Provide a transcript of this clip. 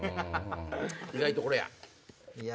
意外とこれや！